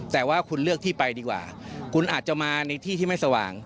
แต่ว่าคุณเลือกที่ไปดีกว่าคุณอาจจะมาในที่ที่ไม่สว่าง